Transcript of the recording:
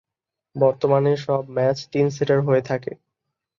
বর্তমানে সব ম্যাচ তিন সেটের হয়ে থাকে।